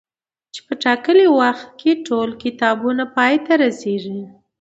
چي په ټاکلي وخت کي ټول کتابونه پاي ته رسيږي